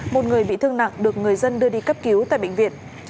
một người bị thương nặng được người dân đưa đi cấp cứu tại bệnh viện